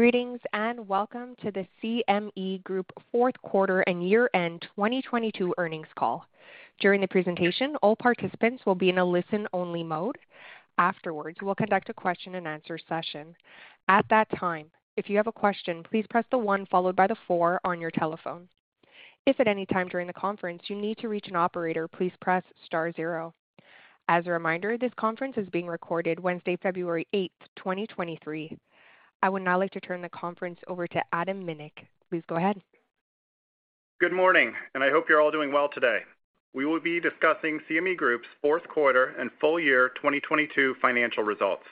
Greetings and welcome to the CME Group fourth quarter and year-end 2022 earnings call. During the presentation, all participants will be in a listen-only mode. Afterwards, we'll conduct a question-and-answer session. At that time, if you have a question, please press the one followed by the four on your telephone. If at any time during the conference you need to reach an operator, please press star zero. As a reminder, this conference is being recorded Wednesday, February eighth, 2023. I would now like to turn the conference over to Adam Myers Please go ahead. Good morning. I hope you're all doing well today. We will be discussing CME Group's fourth quarter and full year 2022 financial results.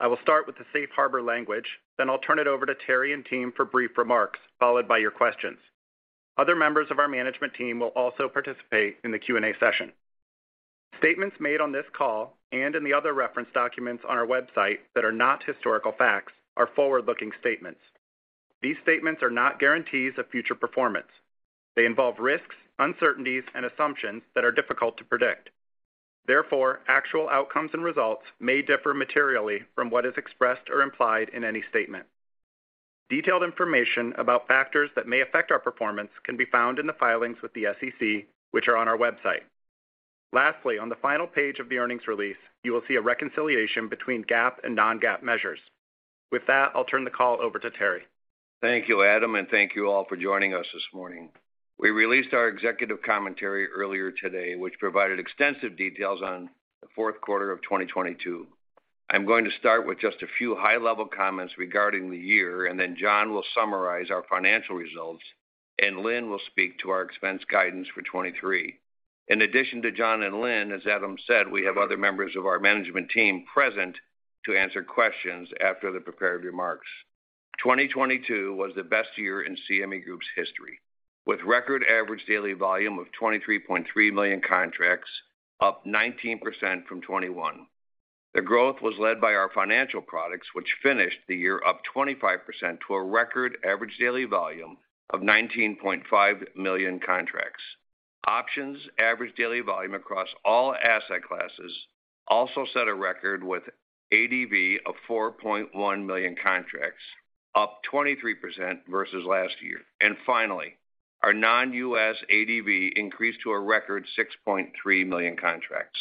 I will start with the safe harbor language. I'll turn it over to Terry and team for brief remarks, followed by your questions. Other members of our management team will also participate in the Q&A session. Statements made on this call and in the other reference documents on our website that are not historical facts are forward-looking statements. These statements are not guarantees of future performance. They involve risks, uncertainties, and assumptions that are difficult to predict. Therefore, actual outcomes and results may differ materially from what is expressed or implied in any statement. Detailed information about factors that may affect our performance can be found in the filings with the SEC, which are on our website. Lastly, on the final page of the earnings release, you will see a reconciliation between GAAP and non-GAAP measures. With that, I'll turn the call over to Terry. Thank you, Adam. Thank you all for joining us this morning. We released our executive commentary earlier today, which provided extensive details on the fourth quarter of 2022. I'm going to start with just a few high-level comments regarding the year. John will summarize our financial results, and Lynne will speak to our expense guidance for 2023. In addition to John and Lynne, as Adam said, we have other members of our management team present to answer questions after the prepared remarks. 2022 was the best year in CME Group's history, with record average daily volume of 23.3 million contracts, up 19% from 2021. The growth was led by our financial products, which finished the year up 25% to a record average daily volume of 19.5 million contracts. Options average daily volume across all asset classes also set a record with ADV of 4.1 million contracts, up 23% versus last year. Finally, our non-US ADV increased to a record 6.3 million contracts.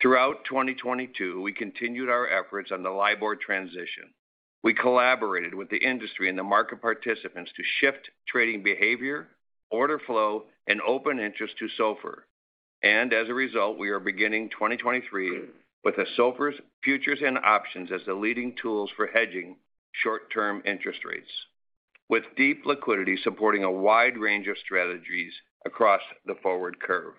Throughout 2022, we continued our efforts on the LIBOR transition. We collaborated with the industry and the market participants to shift trading behavior, order flow, and open interest to SOFR. As a result, we are beginning 2023 with the SOFR's futures and options as the leading tools for hedging short-term interest rates, with deep liquidity supporting a wide range of strategies across the forward curve.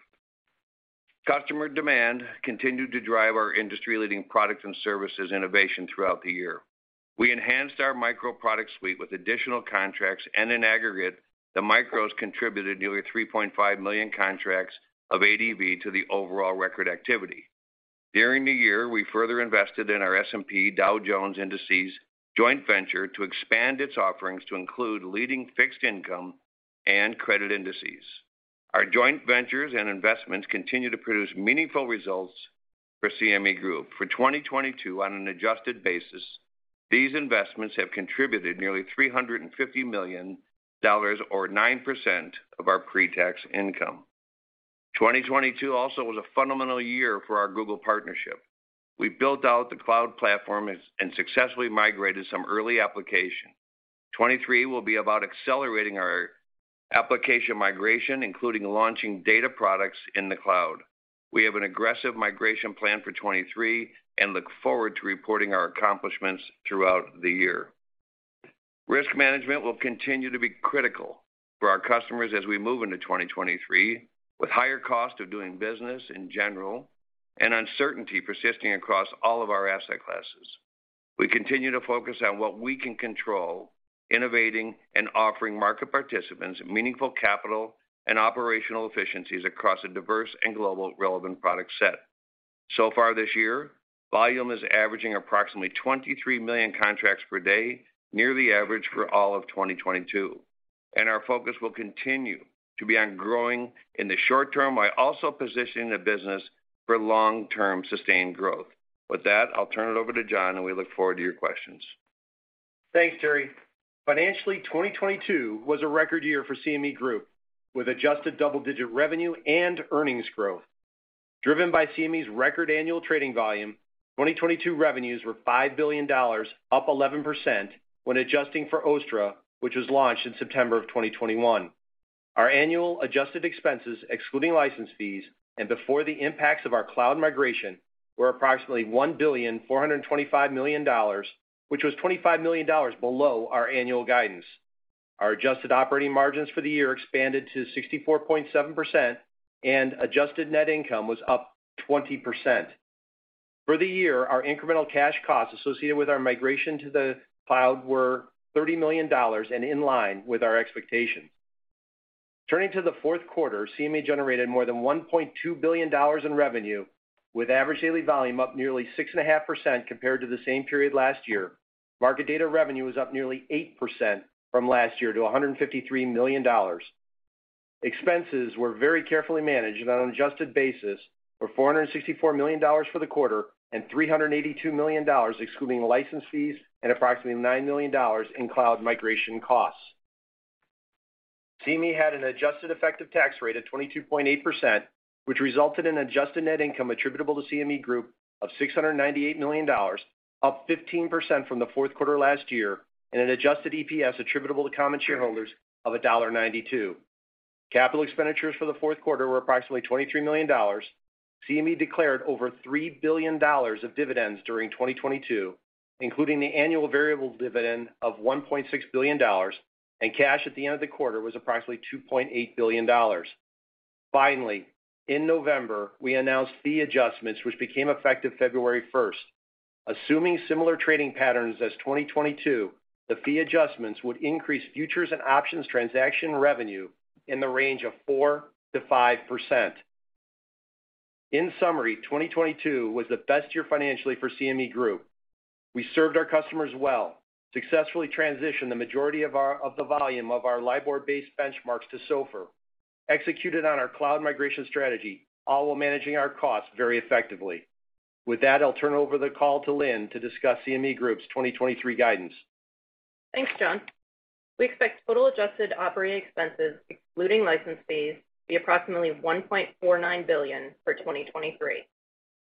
Customer demand continued to drive our industry-leading products and services innovation throughout the year. We enhanced our micro product suite with additional contracts, and in aggregate, the micros contributed nearly 3.5 million contracts of ADV to the overall record activity. During the year, we further invested in our S&P Dow Jones Indices joint venture to expand its offerings to include leading fixed income and credit indices. Our joint ventures and investments continue to produce meaningful results for CME Group. For 2022, on an adjusted basis, these investments have contributed nearly $350 million or 9% of our pre-tax income. 2022 also was a fundamental year for our Google partnership. We built out the cloud platform and successfully migrated some early application. 2023 will be about accelerating our application migration, including launching data products in the cloud. We have an aggressive migration plan for 2023 and look forward to reporting our accomplishments throughout the year. Risk management will continue to be critical for our customers as we move into 2023, with higher cost of doing business in general and uncertainty persisting across all of our asset classes. We continue to focus on what we can control, innovating and offering market participants meaningful capital and operational efficiencies across a diverse and global relevant product set. Far this year, volume is averaging approximately 23 million contracts per day, near the average for all of 2022. Our focus will continue to be on growing in the short term while also positioning the business for long-term sustained growth. With that, I'll turn it over to John, and we look forward to your questions. Thanks, Terry. Financially, 2022 was a record year for CME Group, with adjusted double-digit revenue and earnings growth. Driven by CME's record annual trading volume, 2022 revenues were $5 billion, up 11% when adjusting for OSTTRA, which was launched in September of 2021. Our annual adjusted expenses, excluding license fees and before the impacts of our cloud migration, were approximately $1.425 billion, which was $25 million below our annual guidance. Our adjusted operating margins for the year expanded to 64.7%, and adjusted net income was up 20%. For the year, our incremental cash costs associated with our migration to the cloud were $30 million and in line with our expectations. Turning to the fourth quarter, CME generated more than $1.2 billion in revenue, with average daily volume up nearly 6.5% compared to the same period last year. Market data revenue was up nearly 8% from last year to $153 million. Expenses were very carefully managed on an adjusted basis for $464 million for the quarter and $382 million excluding license fees and approximately $9 million in cloud migration costs. CME had an adjusted effective tax rate of 22.8%, which resulted in adjusted net income attributable to CME Group of $698 million, up 15% from the fourth quarter last year, and an adjusted EPS attributable to common shareholders of $1.92. Capital expenditures for the fourth quarter were approximately $23 million. CME declared over $3 billion of dividends during 2022, including the annual variable dividend of $1.6 billion, and cash at the end of the quarter was approximately $2.8 billion. Finally, in November, we announced fee adjustments, which became effective February first. Assuming similar trading patterns as 2022, the fee adjustments would increase futures and options transaction revenue in the range of 4%-5%. In summary, 2022 was the best year financially for CME Group. We served our customers well, successfully transitioned the majority of the volume of our LIBOR-based benchmarks to SOFR, executed on our cloud migration strategy, all while managing our costs very effectively. With that, I'll turn over the call to Lynn to discuss CME Group's 2023 guidance. Thanks, John. We expect total adjusted operating expenses, excluding license fees, to be approximately $1.49 billion for 2023.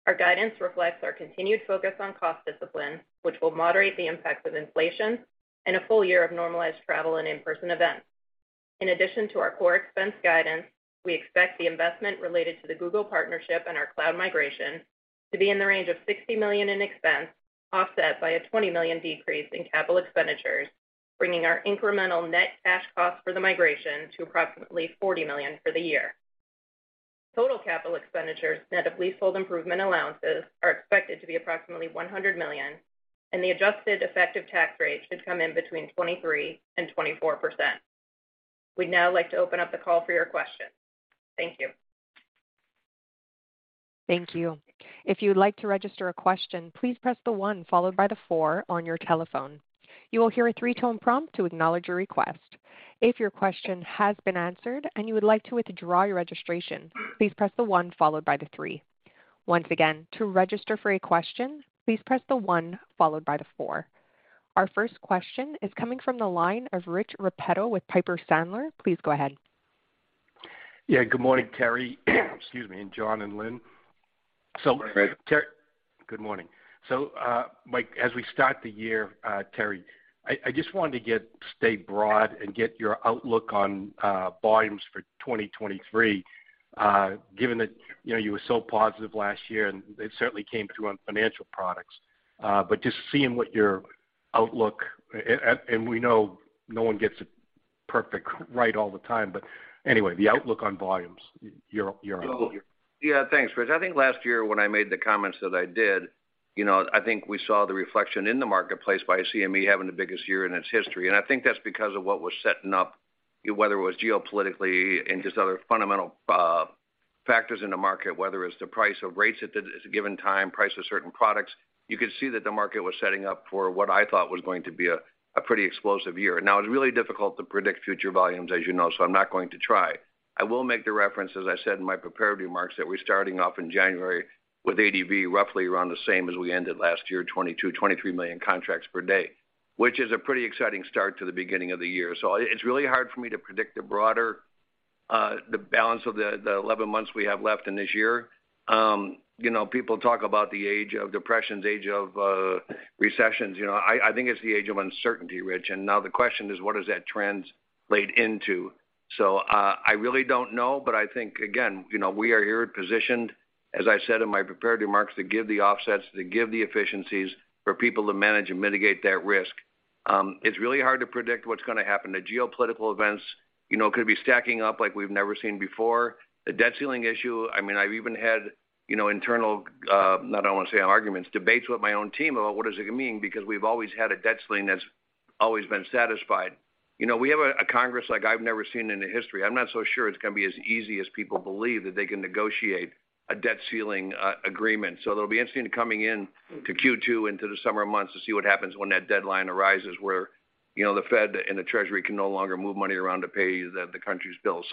Our guidance reflects our continued focus on cost discipline, which will moderate the impacts of inflation and a full year of normalized travel and in-person events. In addition to our core expense guidance, we expect the investment related to the Google partnership and our cloud migration to be in the range of $60 million in expense, offset by a $20 million decrease in capital expenditures, bringing our incremental net cash cost for the migration to approximately $40 million for the year. Total capital expenditures, net of leasehold improvement allowances, are expected to be approximately $100 million, and the adjusted effective tax rate should come in between 23% and 24%. We'd now like to open up the call for your questions. Thank you. Thank you. If you would like to register a question, please press the one followed by the four on your telephone. You will hear a 3-tone prompt to acknowledge your request. If your question has been answered and you would like to withdraw your registration, please press the one followed by the three. Once again, to register for a question, please press the one followed by the four. Our first question is coming from the line of Rich Repetto with Piper Sandler. Please go ahead. Yeah, good morning, Terry. Excuse me, and John and Lynn. Good morning. Like, as we start the year, Terry, I just wanted to stay broad and get your outlook on volumes for 2023, given that, you know, you were so positive last year, and it certainly came through on financial products. Just seeing what your outlook. We know no one gets it perfect right all the time, but anyway, the outlook on volumes, your. Thanks, Rich. I think last year when I made the comments that I did, you know, I think we saw the reflection in the marketplace by CME having the biggest year in its history. I think that's because of what was setting up, whether it was geopolitically and just other fundamental factors in the market, whether it's the price of rates at a given time, price of certain products. You could see that the market was setting up for what I thought was going to be a pretty explosive year. It's really difficult to predict future volumes, as you know, so I'm not going to try. I will make the reference, as I said in my prepared remarks, that we're starting off in January with ADV roughly around the same as we ended last year, 22 million-23 million contracts per day, which is a pretty exciting start to the beginning of the year. It's really hard for me to predict the broader the balance of the 11 months we have left in this year. You know, people talk about the age of depressions, age of recessions. You know, I think it's the age of uncertainty, Rich. Now the question is, what does that translate into? I really don't know. I think, again, you know, we are here positioned, as I said in my prepared remarks, to give the offsets, to give the efficiencies for people to manage and mitigate that risk. It's really hard to predict what's gonna happen. The geopolitical events, you know, could be stacking up like we've never seen before. The debt ceiling issue, I mean, I've even had, you know, internal, I don't want to say arguments, debates with my own team about what does it mean, because we've always had a debt ceiling that's always been satisfied. You know, we have a Congress like I've never seen in the history. I'm not so sure it's going to be as easy as people believe that they can negotiate a debt ceiling agreement. It'll be interesting coming in to Q2 into the summer months to see what happens when that deadline arises, where, you know, the Fed and the Treasury can no longer move money around to pay the country's bills.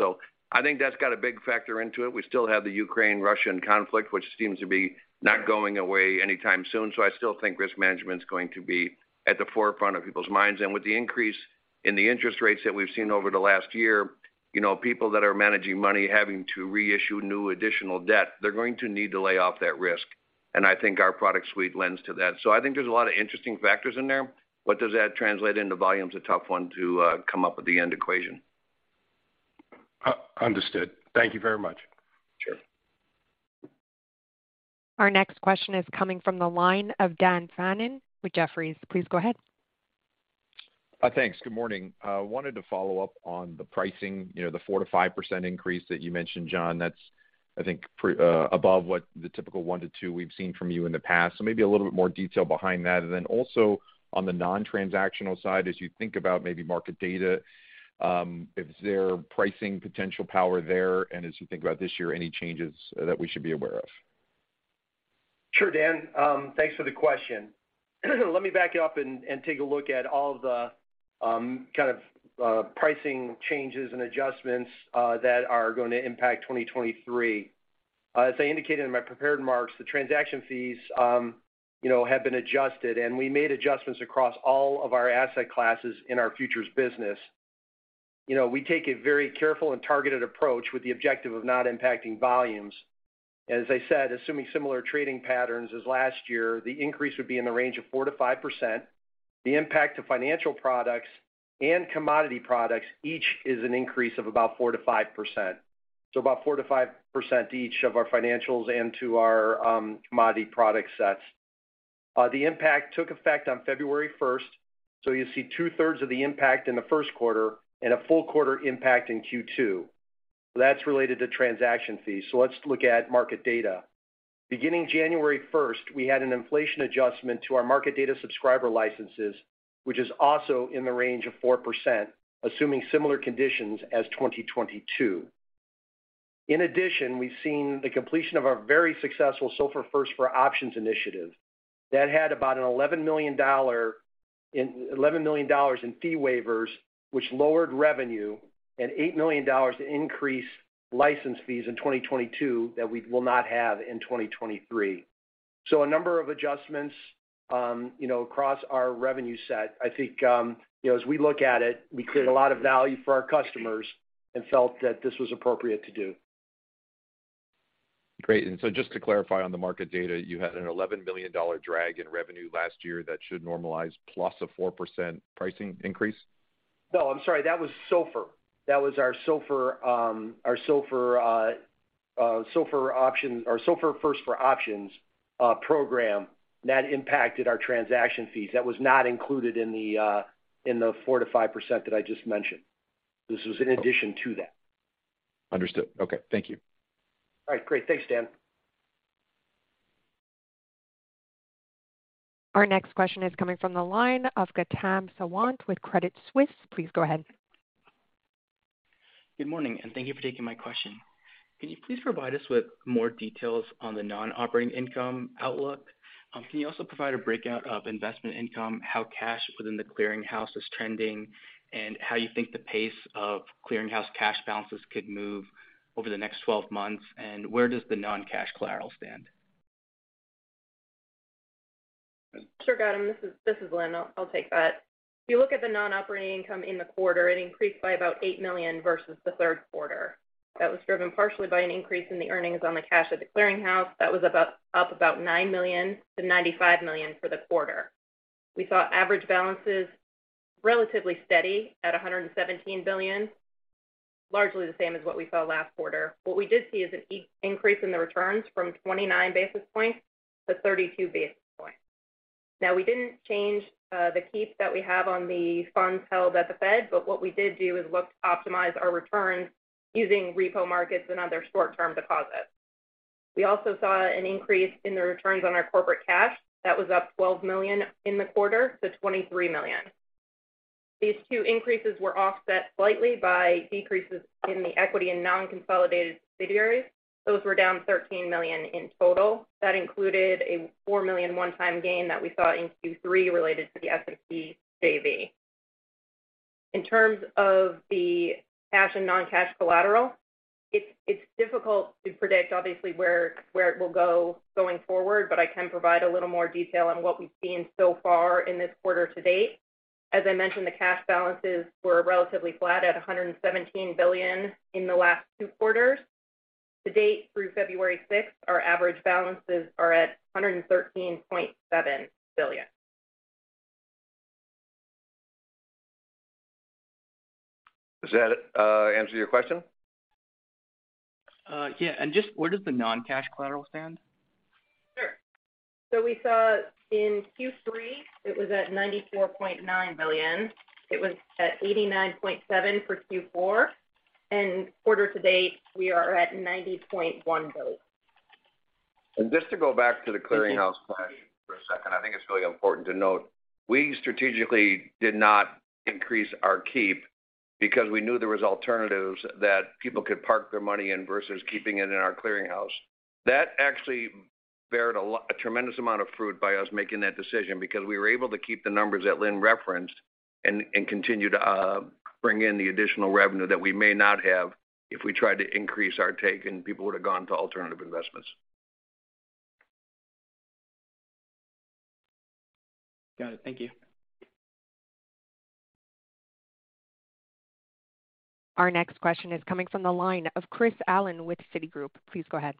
I think that's got a big factor into it. We still have the Ukraine-Russian conflict, which seems to be not going away anytime soon. I still think risk management is going to be at the forefront of people's minds. With the increase in the interest rates that we've seen over the last year, you know, people that are managing money, having to reissue new additional debt, they're going to need to lay off that risk. I think our product suite lends to that. I think there's a lot of interesting factors in there. What does that translate into volume is a tough one to come up with the end equation. Understood. Thank you very much. Sure. Our next question is coming from the line of Dan Fannon with Jefferies. Please go ahead. Thanks. Good morning. I wanted to follow up on the pricing, you know, the 4%-5% increase that you mentioned, John. That's, I think, above what the typical 1%-2% we've seen from you in the past. Maybe a little bit more detail behind that. Also on the non-transactional side, as you think about maybe market data, is there pricing potential power there? As you think about this year, any changes that we should be aware of? Sure, Dan. thanks for the question. Let me back it up and take a look at all the kind of pricing changes and adjustments that are gonna impact 2023. As I indicated in my prepared remarks, the transaction fees, you know, have been adjusted, and we made adjustments across all of our asset classes in our futures business. You know, we take a very careful and targeted approach with the objective of not impacting volumes. As I said, assuming similar trading patterns as last year, the increase would be in the range of 4%-5%. The impact to financial products and commodity products each is an increase of about 4%-5%. About 4%-5% each of our financials and to our commodity product sets. The impact took effect on February first, you'll see 2/3 of the impact in the 1st quarter and a full quarter impact in Q2. That's related to transaction fees. Let's look at market data. Beginning January first, we had an inflation adjustment to our market data subscriber licenses, which is also in the range of 4%, assuming similar conditions as 2022. In addition, we've seen the completion of our very successful SOFR First for Options initiative. That had about an $11 million in fee waivers, which lowered revenue and $8 million to increase license fees in 2022 that we will not have in 2023. A number of adjustments, you know, across our revenue set. I think, you know, as we look at it, we create a lot of value for our customers and felt that this was appropriate to do. Great. just to clarify on the market data, you had a $11 million drag in revenue last year that should normalize plus a 4% pricing increase? No, I'm sorry, that was SOFR. That was our SOFR option or SOFR First for Options program that impacted our transaction fees. That was not included in the 4%-5% that I just mentioned. This was in addition to that. Understood. Okay, thank you. All right, great. Thanks, Dan. Our next question is coming from the line of Gautam Sawant with Credit Suisse. Please go ahead. Good morning, thank you for taking my question. Can you please provide us with more details on the non-operating income outlook? Can you also provide a breakout of investment income, how cash within the clearinghouse is trending, and how you think the pace of clearinghouse cash balances could move over the next 12 months, and where does the non-cash collateral stand? Sure, Gautam. This is Lynn. I'll take that. If you look at the non-operating income in the quarter, it increased by about $8 million versus the third quarter. That was driven partially by an increase in the earnings on the cash at the clearinghouse. That was up about $9 million to $95 million for the quarter. We saw average balances relatively steady at $117 billion, largely the same as what we saw last quarter. What we did see is an increase in the returns from 29 basis points to 32 basis points. We didn't change the keep that we have on the funds held at the Fed, but what we did do is look to optimize our returns using repo markets and other short-term deposits. We also saw an increase in the returns on our corporate cash. That was up $12 million in the quarter to $23 million. These two increases were offset slightly by decreases in the equity and non-consolidated subsidiaries. Those were down $13 million in total. That included a $4 million one-time gain that we saw in Q3 related to the S&P JV. In terms of the cash and non-cash collateral, it's difficult to predict obviously where it will go going forward, but I can provide a little more detail on what we've seen so far in this quarter to date. As I mentioned, the cash balances were relatively flat at $117 billion in the last two quarters. To date, through February 6th, our average balances are at $113.7 billion. Does that answer your question? yeah. just where does the non-cash collateral stand? Sure. We saw in Q3, it was at $94.9 billion. It was at $89.7 billion for Q4. Quarter to date, we are at $90.1 billion. Just to go back to the clearinghouse plan for a second, I think it's really important to note we strategically did not increase our keep because we knew there was alternatives that people could park their money in versus keeping it in our clearinghouse. That actually beared a tremendous amount of fruit by us making that decision because we were able to keep the numbers that Lynn referenced and continue to bring in the additional revenue that we may not have if we tried to increase our take, and people would have gone to alternative investments. Got it. Thank you. Our next question is coming from the line of Chris Allen with Citigroup. Please go ahead.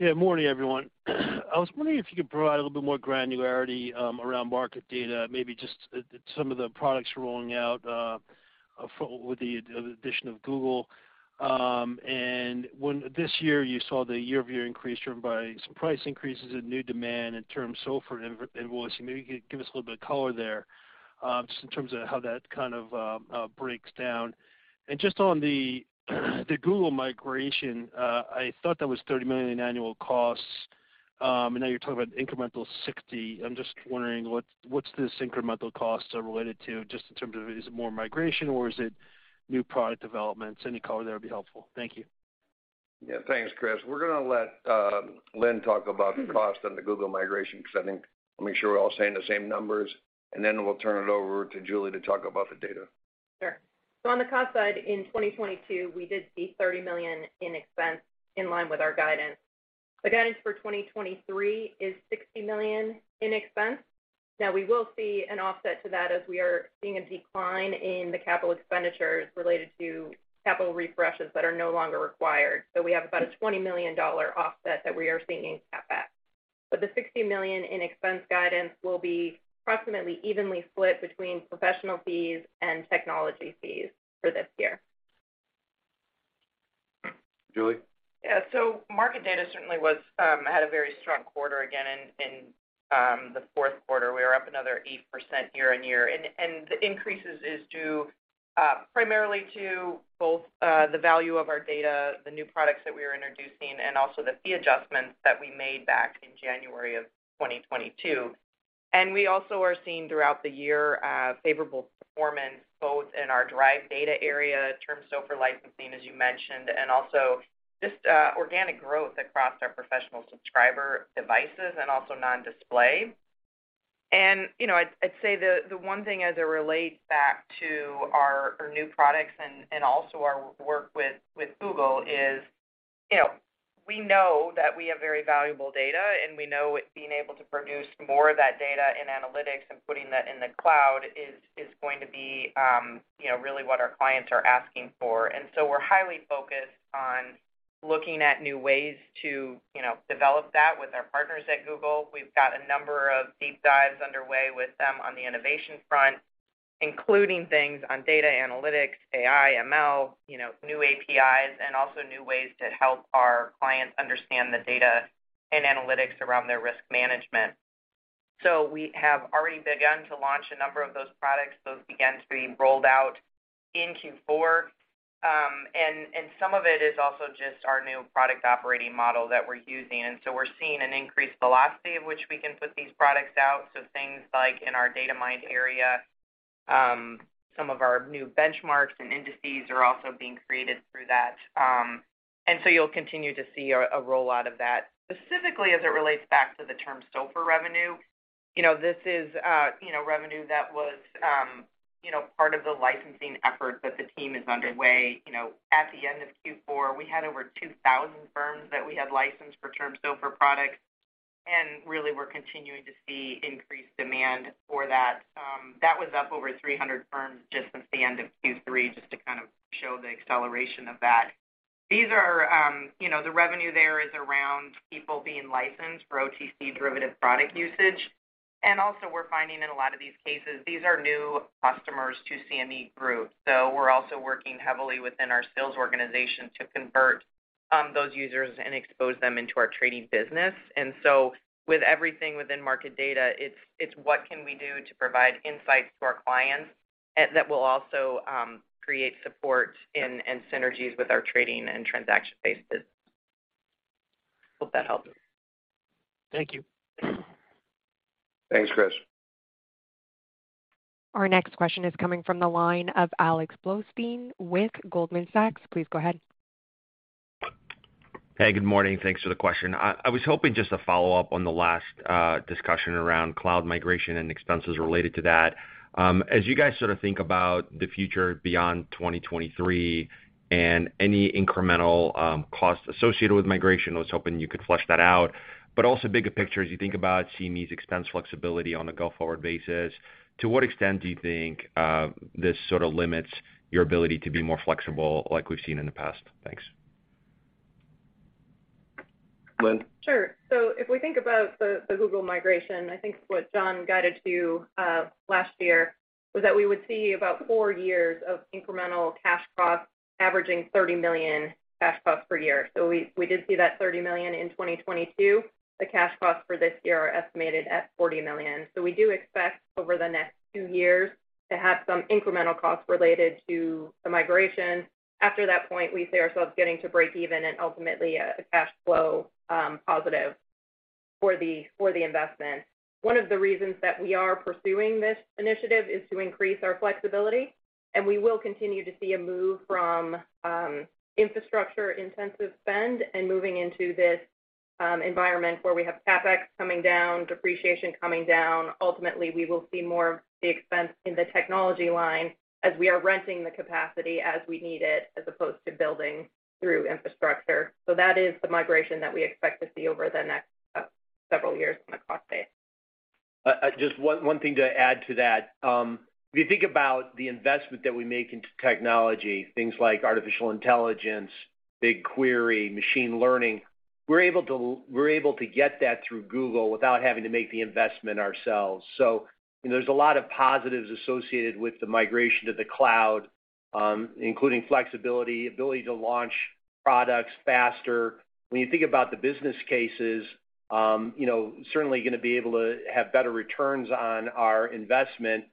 Yeah. Morning, everyone. I was wondering if you could provide a little bit more granularity around market data, maybe just some of the products you're rolling out with the addition of Google. This year, you saw the year-over-year increase driven by some price increases and new demand in terms SOFR and indices. Maybe you could give us a little bit of color there, just in terms of how that kind of breaks down. Just on the Google migration, I thought that was $30 million in annual costs, and now you're talking about an incremental $60 million. I'm just wondering what's this incremental costs are related to just in terms of is it more migration or is it new product developments? Any color there would be helpful. Thank you. Yeah. Thanks, Chris. We're gonna let Lynn talk about the cost on the Google migration because let me make sure we're all saying the same numbers, and then we'll turn it over to Julie to talk about the data. Sure. On the cost side, in 2022, we did see $30 million in expense in line with our guidance. The guidance for 2023 is $60 million in expense. We will see an offset to that as we are seeing a decline in the capital expenditures related to capital refreshes that are no longer required. We have about a $20 million offset that we are seeing in CapEx. The $60 million in expense guidance will be approximately evenly split between professional fees and technology fees for this year. Julie? Yeah. Market data certainly was had a very strong quarter again in the fourth quarter. We were up another 8% year-on-year. The increases is due primarily to both the value of our data, the new products that we are introducing, and also the fee adjustments that we made back in January of 2022. We also are seeing throughout the year, favorable performance both in our derived data area, Term SOFR licensing, as you mentioned, and also just organic growth across our professional subscriber devices and also non-display. You know, I'd say the one thing as it relates back to our new products and also our work with Google is, you know, we know that we have very valuable data, and we know being able to produce more of that data and analytics and putting that in the cloud is going to be, you know, really what our clients are asking for. We're highly focused on looking at new ways to, you know, develop that with our partners at Google. We've got a number of deep dives underway with them on the innovation front, including things on data analytics, AI, ML, you know, new APIs, and also new ways to help our clients understand the data and analytics around their risk management. We have already begun to launch a number of those products. Those began to be rolled out in Q4. And some of it is also just our new product operating model that we're using. We're seeing an increased velocity of which we can put these products out, so things like in our DataMine area, some of our new benchmarks and indices are also being created through that. You'll continue to see a rollout of that. Specifically, as it relates back to the Term SOFR revenue, you know, this is, you know, revenue that was, you know, part of the licensing effort that the team is underway. You know, at the end of Q4, we had over 2,000 firms that we had licensed for Term SOFR products, and really we're continuing to see increased demand for that. That was up over 300 firms just since the end of Q3, just to kind of show the acceleration of that. These are, you know, the revenue there is around people being licensed for OTC derivative product usage. Also we're finding in a lot of these cases, these are new customers to CME Group. So we're also working heavily within our sales organization to convert those users and expose them into our trading business. With everything within market data, it's what can we do to provide insights to our clients that will also create support and synergies with our trading and transaction-based business. Hope that helped. Thank you. Thanks, Chris. Our next question is coming from the line of Alex Blostein with Goldman Sachs. Please go ahead. Hey, good morning. Thanks for the question. I was hoping just to follow up on the last discussion around cloud migration and expenses related to that. As you guys sort of think about the future beyond 2023 and any incremental cost associated with migration, I was hoping you could flesh that out. Also bigger picture, as you think about CME's expense flexibility on a go-forward basis, to what extent do you think this sort of limits your ability to be more flexible like we've seen in the past? Thanks. Lynn? Sure. If we think about the Google migration, I think what John guided to last year was that we would see about four years of incremental cash costs averaging $30 million cash costs per year. We did see that $30 million in 2022. The cash costs for this year are estimated at $40 million. We do expect over the next 2 years to have some incremental costs related to the migration. After that point, we see ourselves getting to breakeven and ultimately a cash flow positive for the investment. One of the reasons that we are pursuing this initiative is to increase our flexibility, and we will continue to see a move from infrastructure-intensive spend and moving into this environment where we have CapEx coming down, depreciation coming down. Ultimately, we will see more of the expense in the technology line as we are renting the capacity as we need it, as opposed to building through infrastructure. That is the migration that we expect to see over the next several years on the cost base. Just one thing to add to that. If you think about the investment that we make into technology, things like artificial intelligence, BigQuery, machine learning, we're able to get that through Google without having to make the investment ourselves. You know, there's a lot of positives associated with the migration to the cloud, including flexibility, ability to launch products faster. When you think about the business cases, you know, certainly gonna be able to have better returns on our investment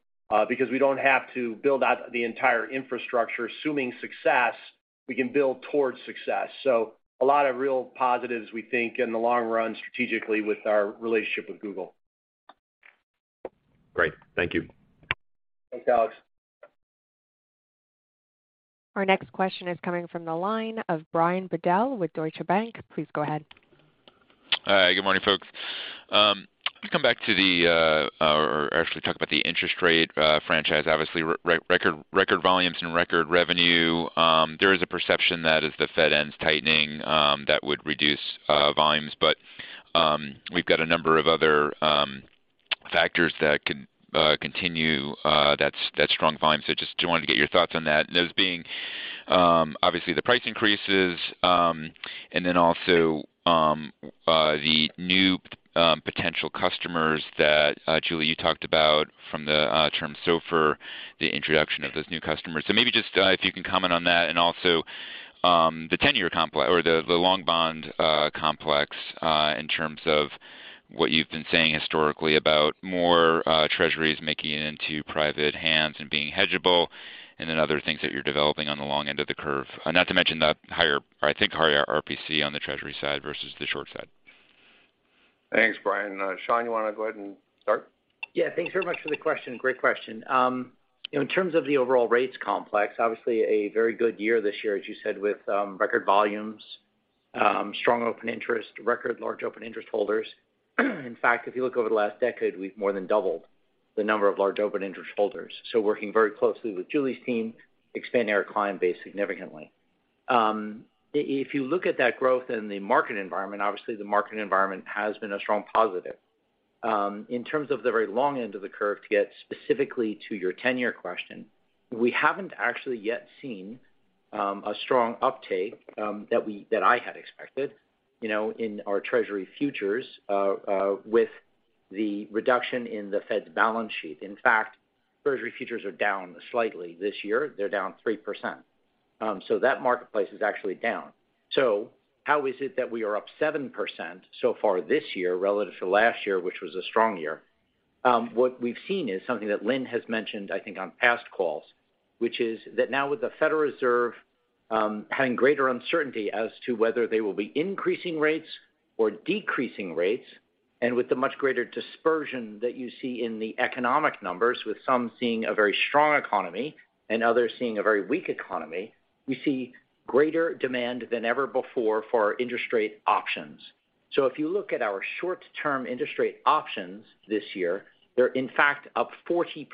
because we don't have to build out the entire infrastructure. Assuming success, we can build towards success. A lot of real positives, we think, in the long run strategically with our relationship with Google. Great. Thank you. Thanks, Alex. Our next question is coming from the line of Brian Bedell with Deutsche Bank. Please go ahead. Hi, good morning, folks. To come back to the, or actually talk about the interest rate franchise, obviously record volumes and record revenue, there is a perception that as the Fed ends tightening, that would reduce volumes. We've got a number of other factors that can continue that strong volume. Just wanted to get your thoughts on that. Those being, obviously the price increases, and then also the new potential customers that Julie, you talked about from the Term SOFR, the introduction of those new customers. Maybe just, if you can comment on that and also, the tenure complex or the long bond complex, in terms of what you've been saying historically about more Treasuries making it into private hands and being hedgeable, and then other things that you're developing on the long end of the curve. Not to mention the higher, or I think, higher RPC on the Treasury side versus the short side. Thanks, Brian. Sean, you wanna go ahead and start? Thanks very much for the question. Great question. In terms of the overall rates complex, obviously a very good year this year, as you said, with record volumes, strong open interest, record large open interest holders. In fact, if you look over the last decade, we've more than doubled the number of large open interest holders. Working very closely with Julie's team, expanding our client base significantly. If you look at that growth in the market environment, obviously the market environment has been a strong positive. In terms of the very long end of the curve to get specifically to your tenure question, we haven't actually yet seen a strong uptake that I had expected, you know, in our treasury futures with the reduction in the Fed's balance sheet. Treasury futures are down slightly this year. They're down 3%. That marketplace is actually down. How is it that we are up 7% so far this year relative to last year, which was a strong year? What we've seen is something that Lynn has mentioned, I think, on past calls, which is that now with the Federal Reserve having greater uncertainty as to whether they will be increasing rates or decreasing rates, and with the much greater dispersion that you see in the economic numbers, with some seeing a very strong economy and others seeing a very weak economy, we see greater demand than ever before for our interest rate options. If you look at our short-term interest rate options this year, they're in fact up 40%.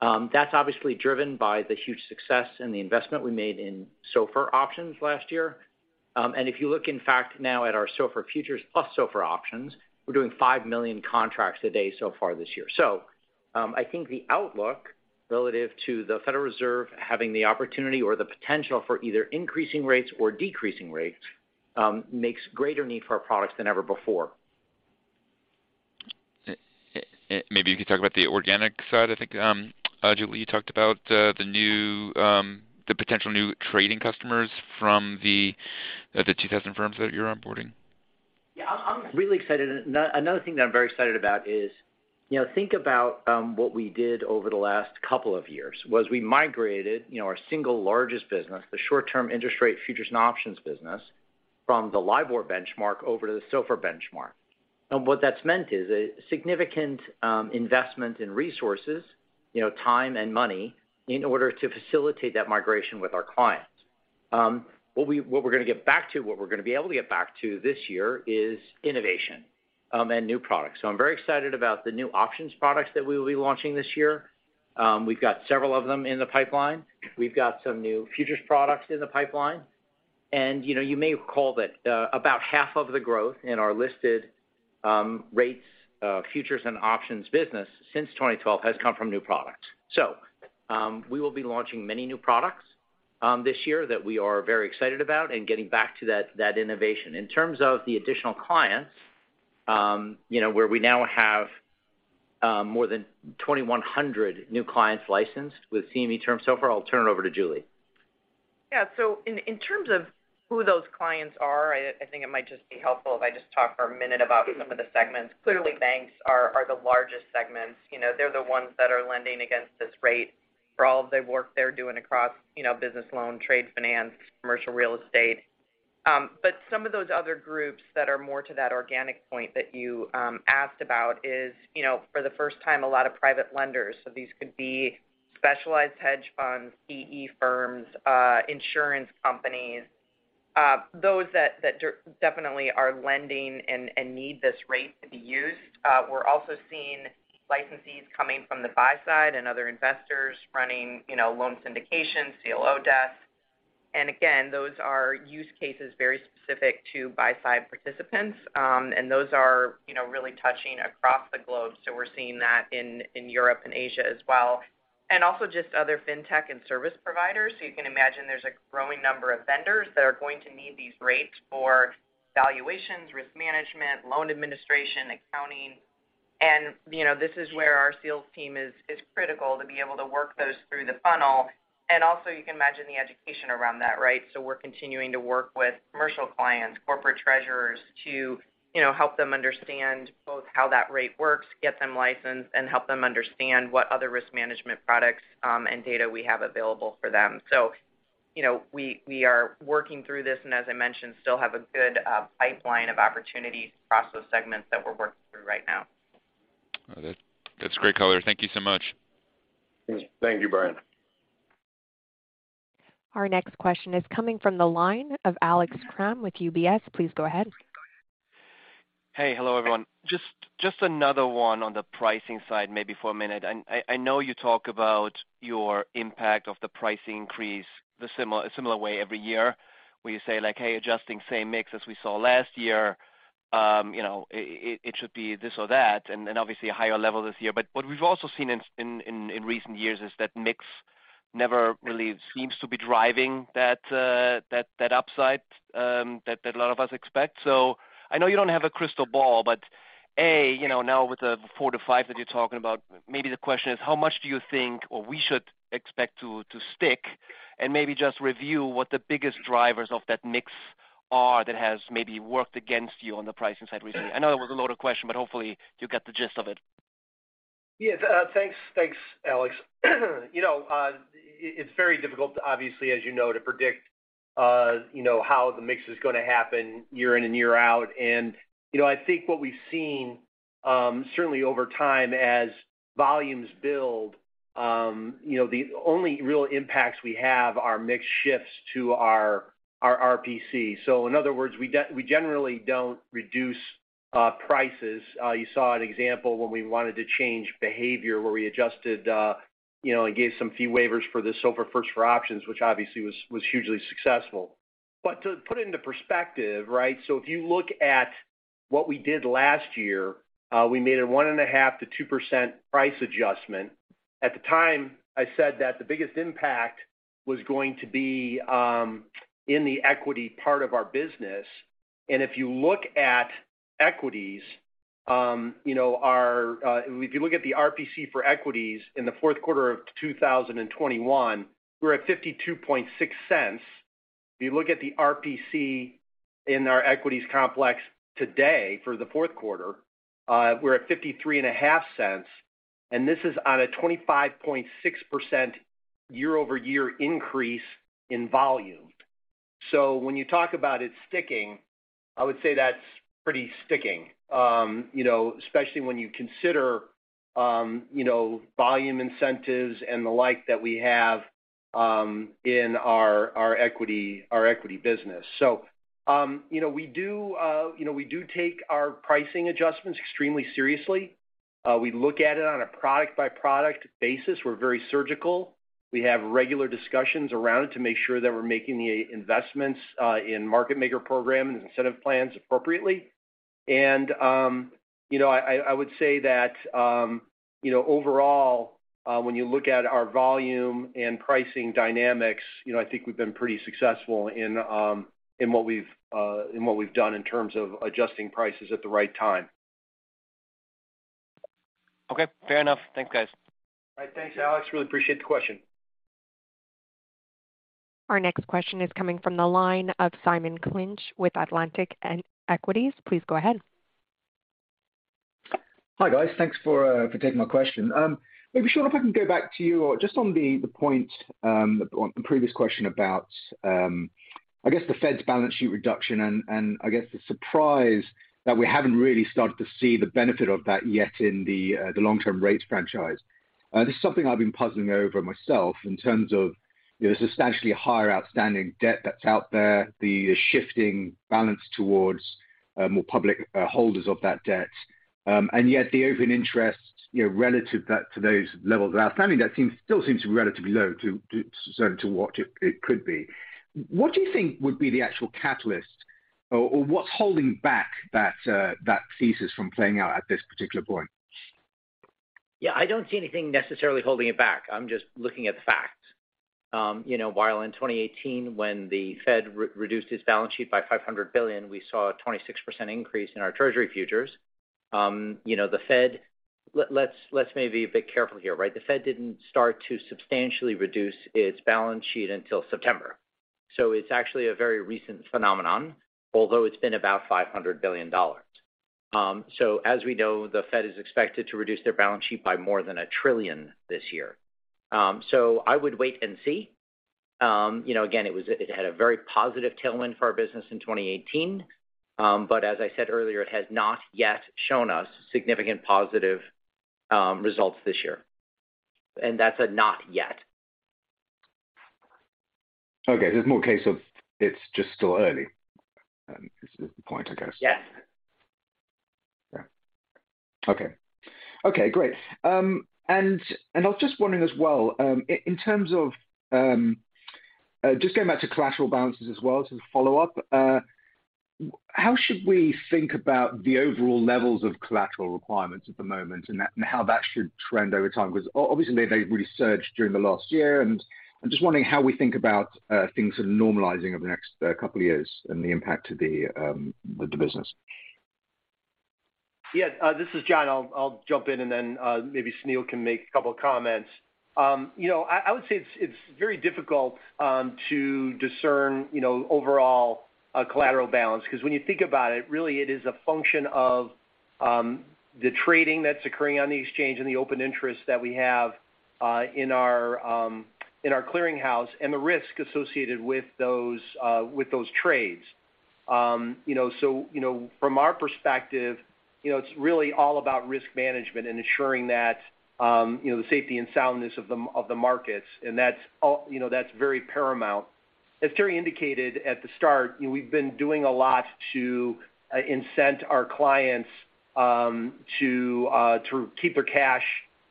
That's obviously driven by the huge success and the investment we made in SOFR options last year. If you look in fact now at our SOFR futures plus SOFR options, we're doing 5 million contracts a day so far this year. I think the outlook relative to the Federal Reserve having the opportunity or the potential for either increasing rates or decreasing rates, makes greater need for our products than ever before. Maybe you could talk about the organic side, I think, Julie, you talked about the new, the potential new trading customers from the 2,000 firms that you're onboarding. Yeah, I'm really excited. Another thing that I'm very excited about is, you know, think about what we did over the last couple of years, was we migrated, you know, our single largest business, the short-term interest rate futures and options business from the LIBOR benchmark over to the SOFR benchmark. What that's meant is a significant investment in resources, you know, time and money in order to facilitate that migration with our clients. What we're gonna get back to, what we're gonna be able to get back to this year is innovation and new products. I'm very excited about the new options products that we will be launching this year. We've got several of them in the pipeline. We've got some new futures products in the pipeline. You know, you may recall that, about half of the growth in our listed, rates, futures and options business since 2012 has come from new products. We will be launching many new products, this year that we are very excited about and getting back to that innovation. In terms of the additional clients, you know, where we now have, more than 2,100 new clients licensed with CME Term SOFR, I'll turn it over to Julie. In terms of who those clients are, I think it might just be helpful if I just talk for a minute about some of the segments. Clearly, banks are the largest segments. You know, they're the ones that are lending against this rate for all of the work they're doing across, you know, business loan, trade finance, commercial real estate. Some of those other groups that are more to that organic point that you asked about is, you know, for the first time, a lot of private lenders. These could be specialized hedge funds, PE firms, insurance companies, those that definitely are lending and need this rate to be used. We're also seeing licensees coming from the buy side and other investors running, you know, loan syndications, CLO desks. Again, those are use cases very specific to buy side participants. Those are, you know, really touching across the globe. We're seeing that in Europe and Asia as well, and also just other fintech and service providers. You can imagine there's a growing number of vendors that are going to need these rates for valuations, risk management, loan administration, accounting. You know, this is where our sales team is critical to be able to work those through the funnel. Also you can imagine the education around that, right? We're continuing to work with commercial clients, corporate treasurers to, you know, help them understand both how that rate works, get them licensed, and help them understand what other risk management products and data we have available for them. You know, we are working through this, and as I mentioned, still have a good pipeline of opportunities across those segments that we're working through right now. All right. That's great color. Thank you so much. Thank you, Brian. Our next question is coming from the line of Alex Kramm with UBS. Please go ahead. Hey. Hello, everyone. Just another one on the pricing side maybe for a minute. I know you talk about your impact of the price increase a similar way every year, where you say like, "Hey, adjusting same mix as we saw last year, you know, it should be this or that," and obviously a higher level this year. What we've also seen in recent years is that mix never really seems to be driving that, that upside, that a lot of us expect. I know you don't have a crystal ball, but A, you know, now with the four to five that you're talking about, maybe the question is how much do you think or we should expect to stick? Maybe just review what the biggest drivers of that mix are that has maybe worked against you on the pricing side recently. I know it was a loaded question, but hopefully you get the gist of it. Yes. Thanks. Thanks, Alex. You know, it's very difficult, obviously, as you know, to predict, you know, how the mix is gonna happen year in and year out. You know, I think what we've seen, certainly over time as volumes build, you know, the only real impacts we have are mix shifts to our RPC. In other words, we generally don't reduce prices. You saw an example when we wanted to change behavior where we adjusted, you know, and gave some fee waivers for the SOFR First for Options, which obviously was hugely successful. To put it into perspective, right? If you look at what we did last year, we made a 1.5%-2% price adjustment. At the time, I said that the biggest impact was going to be in the equity part of our business. If you look at equities, you know, If you look at the RPC for equities in the fourth quarter of 2021, we're at $0.526. If you look at the RPC in our equities complex today for the fourth quarter, we're at $0.535, this is on a 25.6% year-over-year increase in volume. When you talk about it sticking, I would say that's pretty sticking, you know, especially when you consider, you know, volume incentives and the like that we have in our equity business. You know, we do, you know, we do take our pricing adjustments extremely seriously. We look at it on a product-by-product basis. We're very surgical. We have regular discussions around it to make sure that we're making the investments in market maker program and incentive plans appropriately. You know, I would say that, you know, overall, when you look at our volume and pricing dynamics, you know, I think we've been pretty successful in what we've done in terms of adjusting prices at the right time. Okay, fair enough. Thanks, guys. All right. Thanks, Alex. Really appreciate the question. Our next question is coming from the line of Simon Clinch with Atlantic Equities. Please go ahead. Hi, guys. Thanks for taking my question. Maybe Sean, if I can go back to you or just on the point on the previous question about I guess the Fed's balance sheet reduction and I guess the surprise that we haven't really started to see the benefit of that yet in the long-term rates franchise. This is something I've been puzzling over myself in terms of, you know, substantially higher outstanding debt that's out there, the shifting balance towards more public holders of that debt. Yet the open interest, you know, relative to those levels of outstanding debt still seems to be relatively low to what it could be. What do you think would be the actual catalyst or what's holding back that thesis from playing out at this particular point? Yeah. I don't see anything necessarily holding it back. I'm just looking at the facts. You know, while in 2018 when the Fed reduced its balance sheet by $500 billion, we saw a 26% increase in our Treasury futures. You know, the Fed. Let's maybe be a bit careful here, right? The Fed didn't start to substantially reduce its balance sheet until September. It's actually a very recent phenomenon, although it's been about $500 billion. As we know, the Fed is expected to reduce their balance sheet by more than $1 trillion this year. I would wait and see. You know, again, it had a very positive tailwind for our business in 2018. As I said earlier, it has not yet shown us significant positive results this year. That's a not yet. Okay. There's more case of it's just still early, is the point, I guess. Yes. Yeah. Okay. Okay, great. I was just wondering as well, in terms of, just going back to collateral balances as well as a follow-up, how should we think about the overall levels of collateral requirements at the moment and how that should trend over time? Because obviously they've really surged during the last year. I'm just wondering how we think about things normalizing over the next couple of years and the impact to the business. Yeah. This is John. I'll jump in and then, maybe Sunil can make a couple comments. you know, I would say it's very difficult, to discern, you know, overall, collateral balance, because when you think about it, really it is a function of The trading that's occurring on the exchange and the open interest that we have in our clearinghouse and the risk associated with those with those trades. You know, from our perspective, you know, it's really all about risk management and ensuring that, you know, the safety and soundness of the markets, and that's very paramount. As Terry indicated at the start, you know, we've been doing a lot to incent our clients to keep their cash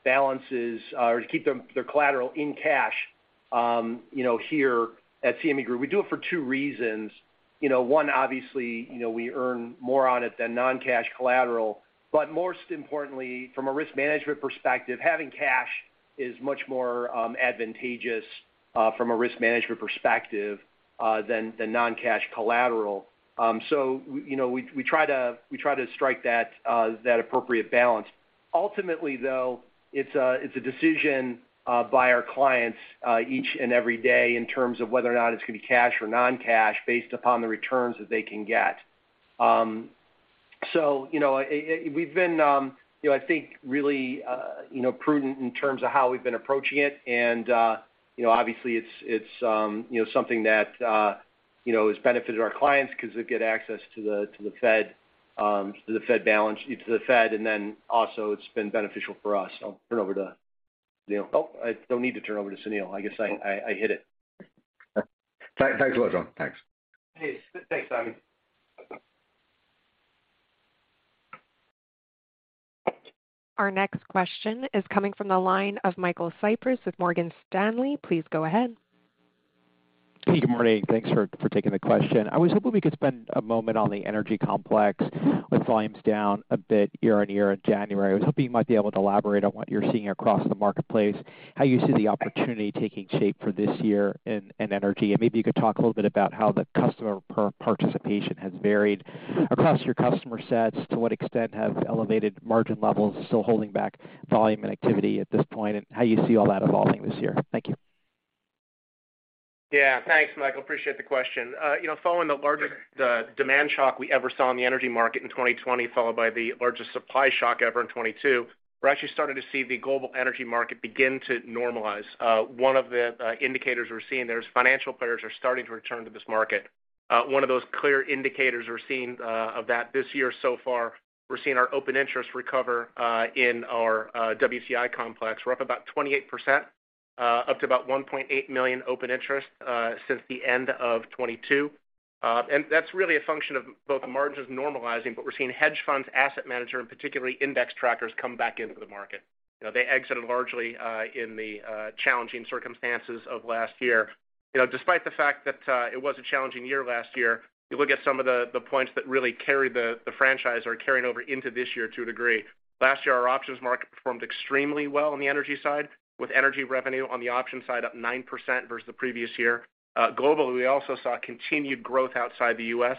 balances or to keep their collateral in cash, you know, here at CME Group. We do it for two reasons. You know, 1, obviously, you know, we earn more on it than non-cash collateral. Most importantly, from a risk management perspective, having cash is much more advantageous from a risk management perspective than non-cash collateral. You know, we try to strike that appropriate balance. Ultimately, though, it's a decision by our clients each and every day in terms of whether or not it's gonna be cash or non-cash based upon the returns that they can get. You know, we've been, you know, I think really, you know, prudent in terms of how we've been approaching it. You know, obviously it's, you know, something that, you know, has benefited our clients 'cause they get access to the Fed, and then also it's been beneficial for us. I'll turn over to Sunil. Oh, I don't need to turn over to Sunil. I guess I, I hit it. Thanks. Thanks a lot, John. Thanks. Hey, thanks, Simon. Our next question is coming from the line of Michael Cyprys with Morgan Stanley. Please go ahead. Hey, good morning. Thanks for taking the question. I was hoping we could spend a moment on the energy complex with volumes down a bit year-on-year in January. I was hoping you might be able to elaborate on what you're seeing across the marketplace, how you see the opportunity taking shape for this year in energy, and maybe you could talk a little bit about how the customer participation has varied across your customer sets. To what extent have elevated margin levels still holding back volume and activity at this point, and how you see all that evolving this year? Thank you. Yeah. Thanks, Michael. Appreciate the question. You know, following the largest demand shock we ever saw in the energy market in 2020, followed by the largest supply shock ever in 2022, we're actually starting to see the global energy market begin to normalize. One of the indicators we're seeing there is financial players are starting to return to this market. One of those clear indicators we're seeing of that this year so far, we're seeing our open interest recover in our WTI complex. We're up about 28%, up to about 1.8 million open interest, since the end of 2022. That's really a function of both margins normalizing, but we're seeing hedge funds, asset manager, and particularly index trackers come back into the market. You know, they exited largely in the challenging circumstances of last year. You know, despite the fact that it was a challenging year last year, you look at some of the points that really carried the franchise are carrying over into this year to a degree. Last year, our options market performed extremely well on the energy side, with energy revenue on the option side up 9% versus the previous year. Globally, we also saw continued growth outside the US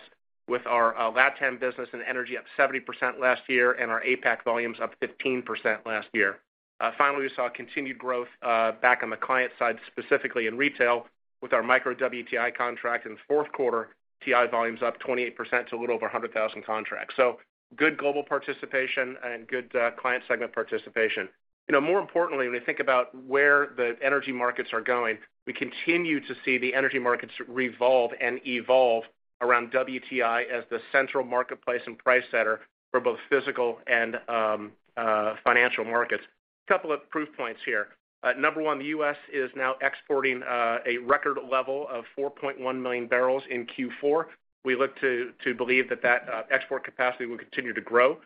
with our LatAm business and energy up 70% last year and our APAC volumes up 15% last year. Finally, we saw continued growth back on the client side, specifically in retail with our Micro WTI contract in the fourth quarter, WTI volumes up 28% to a little over 100,000 contracts. Good global participation and good client segment participation. You know, more importantly, when we think about where the energy markets are going, we continue to see the energy markets revolve and evolve around WTI as the central marketplace and price setter for both physical and financial markets. A couple of proof points here. Number one, the U.S. is now exporting a record level of 4.1 million barrels in Q4. We look to believe that export capacity will continue to grow.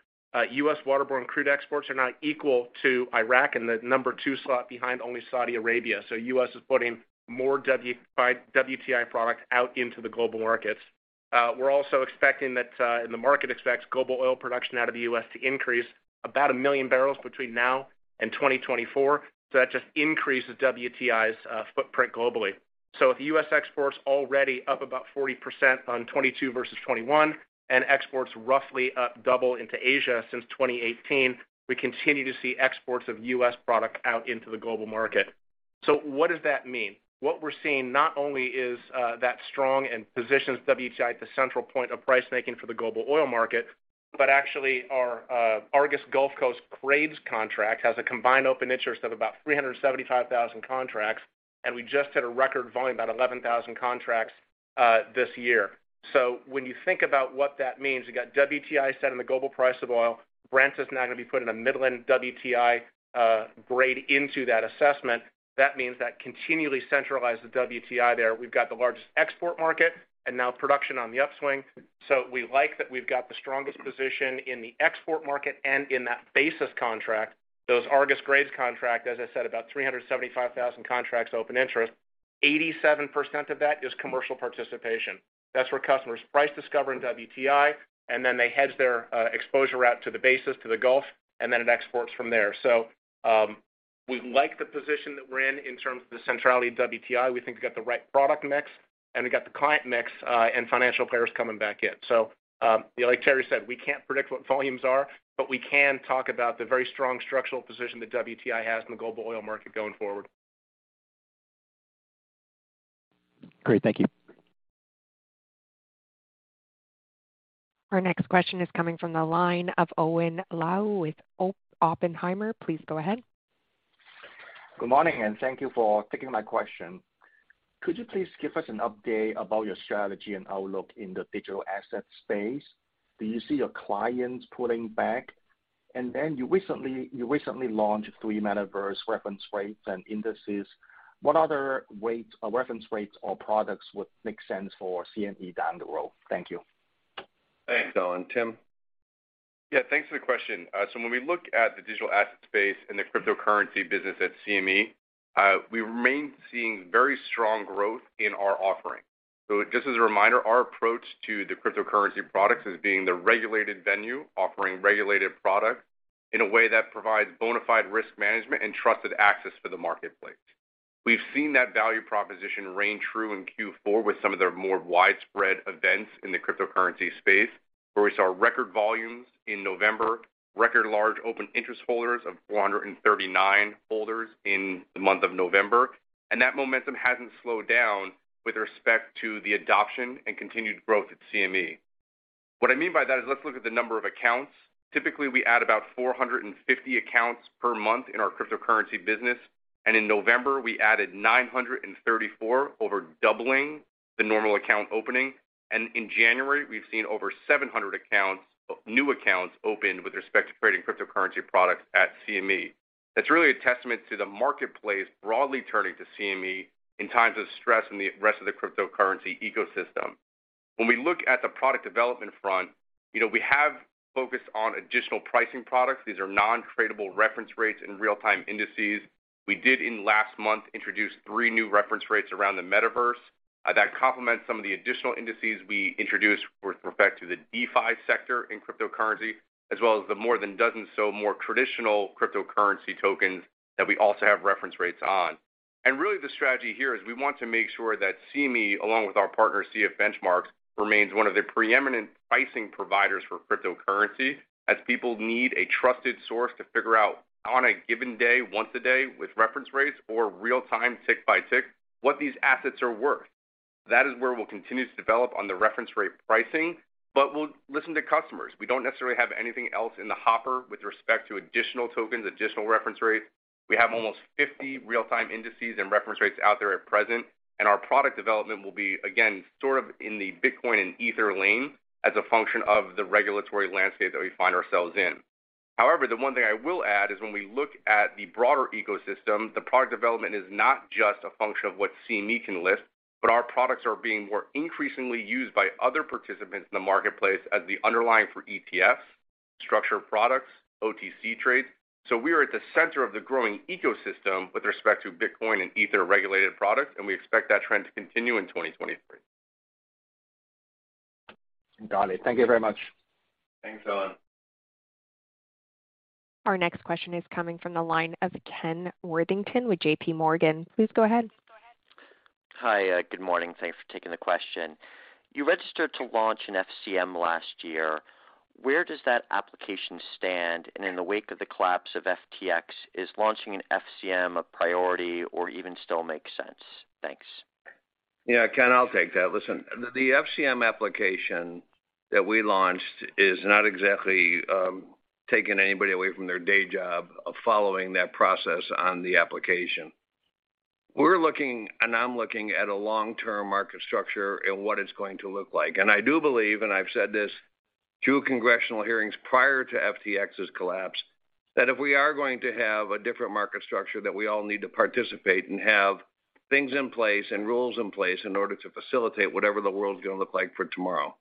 U.S. waterborne crude exports are now equal to Iraq in the number two slot behind only Saudi Arabia. U.S. is putting more WTI product out into the global markets. We're also expecting that, and the market expects global oil production out of the U.S. to increase about 1 million barrels between now and 2024, that just increases WTI's footprint globally. With U.S. exports already up about 40% on 2022 versus 2021, and exports roughly up double into Asia since 2018, we continue to see exports of U.S. product out into the global market. What does that mean? What we're seeing, not only is that strong and positions WTI at the central point of price making for the global oil market, but actually our Argus Gulf Coast grades contract has a combined open interest of about 375,000 contracts, and we just hit a record volume, about 11,000 contracts, this year. When you think about what that means, you've got WTI setting the global price of oil. Brent is now gonna be putting a Midland WTI grade into that assessment. That means that continually centralize the WTI there. We've got the largest export market and now production on the upswing. We like that we've got the strongest position in the export market and in that basis contract. Those Argus grades contract, as I said, about 375,000 contracts open interest. 87% of that is commercial participation. That's where customers price discover in WTI, and then they hedge their exposure out to the basis to the Gulf, and then it exports from there. We like the position that we're in terms of the centrality of WTI. We think we've got the right product mix, and we've got the client mix, and financial players coming back in. Like Terry said, we can't predict what volumes are, but we can talk about the very strong structural position that WTI has in the global oil market going forward. Great. Thank you. Our next question is coming from the line of Owen Lau with Oppenheimer. Please go ahead. Good morning. Thank you for taking my question. Could you please give us an update about your strategy and outlook in the digital asset space? Do you see your clients pulling back? You recently launched 3 metaverse reference rates and indices. What other rates or reference rates or products would make sense for CME down the road? Thank you. Thanks, Owen. Tim. Yeah. Thanks for the question. When we look at the digital asset space and the cryptocurrency business at CME, we remain seeing very strong growth in our offering. Just as a reminder, our approach to the cryptocurrency products as being the regulated venue offering regulated products in a way that provides bona fide risk management and trusted access for the marketplace. We've seen that value proposition reign true in Q4 with some of the more widespread events in the cryptocurrency space, where we saw record volumes in November, record large open interest holders of 439 holders in the month of November. That momentum hasn't slowed down with respect to the adoption and continued growth at CME. What I mean by that is let's look at the number of accounts. Typically, we add about 450 accounts per month in our cryptocurrency business. In November, we added 934, over doubling the normal account opening. In January, we've seen over 700 accounts, new accounts opened with respect to trading cryptocurrency products at CME. That's really a testament to the marketplace broadly turning to CME in times of stress in the rest of the cryptocurrency ecosystem. When we look at the product development front, you know, we have focused on additional pricing products. These are non-tradable reference rates and real-time indices. We did in last month introduce 3 new reference rates around the metaverse that complement some of the additional indices we introduced with respect to the DeFi sector in cryptocurrency, as well as the more than 12 so more traditional cryptocurrency tokens that we also have reference rates on. Really, the strategy here is we want to make sure that CME, along with our partner, CF Benchmarks, remains one of the preeminent pricing providers for cryptocurrency, as people need a trusted source to figure out on a given day, once a day with reference rates or real-time tick by tick, what these assets are worth. That is where we'll continue to develop on the reference rate pricing, but we'll listen to customers. We don't necessarily have anything else in the hopper with respect to additional tokens, additional reference rates. We have almost 50 real-time indices and reference rates out there at present, and our product development will be, again, sort of in the Bitcoin and Ether lane as a function of the regulatory landscape that we find ourselves in. The one thing I will add is when we look at the broader ecosystem, the product development is not just a function of what CME can list, but our products are being more increasingly used by other participants in the marketplace as the underlying for ETFs, structured products, OTC trades. We are at the center of the growing ecosystem with respect to Bitcoin and Ether regulated products, and we expect that trend to continue in 2023. Got it. Thank you very much. Thanks, Owen. Our next question is coming from the line of Ken Worthington with J.P. Morgan. Please go ahead. Hi. Good morning. Thanks for taking the question. You registered to launch an FCM last year. Where does that application stand? In the wake of the collapse of FTX, is launching an FCM a priority or even still makes sense? Thanks. Yeah, Ken, I'll take that. Listen, the FCM application that we launched is not exactly taking anybody away from their day job of following that process on the application. We're looking, and I'm looking at a long-term market structure and what it's going to look like. I do believe, and I've said this, two congressional hearings prior to FTX's collapse, that if we are going to have a different market structure, that we all need to participate and have things in place and rules in place in order to facilitate whatever the world's gonna look like for tomorrow.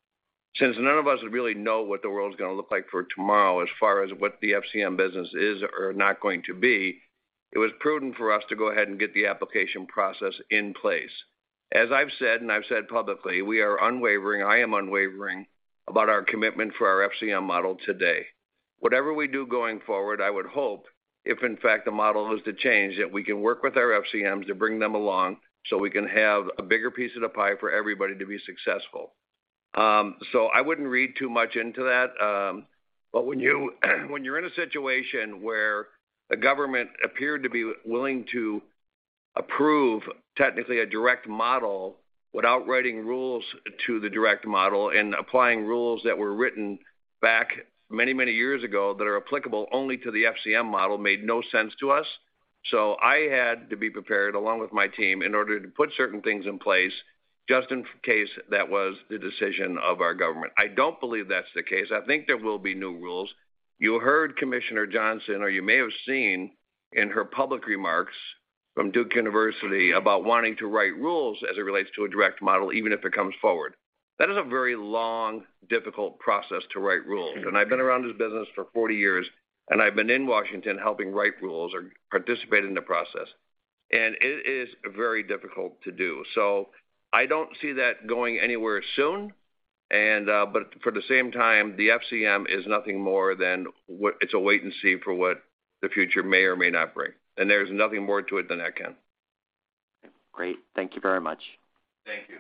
None of us really know what the world's gonna look like for tomorrow as far as what the FCM business is or not going to be, it was prudent for us to go ahead and get the application process in place. As I've said, and I've said publicly, we are unwavering, I am unwavering about our commitment for our FCM model today. Whatever we do going forward, I would hope, if in fact the model is to change, that we can work with our FCMs to bring them along so we can have a bigger piece of the pie for everybody to be successful. I wouldn't read too much into that. When you're in a situation where the government appeared to be willing to approve, technically a direct model without writing rules to the direct model and applying rules that were written back many, many years ago that are applicable only to the FCM model made no sense to us. I had to be prepared, along with my team, in order to put certain things in place just in case that was the decision of our government. I don't believe that's the case. I think there will be new rules. You heard Commissioner Johnson, or you may have seen in her public remarks from Duke University about wanting to write rules as it relates to a direct model, even if it comes forward. That is a very long, difficult process to write rules. I've been around this business for 40 years, and I've been in Washington helping write rules or participate in the process, and it is very difficult to do. I don't see that going anywhere soon and, but for the same time, the FCM is nothing more than. It's a wait and see for what the future may or may not bring. There's nothing more to it than that, Ken. Great. Thank you very much. Thank you.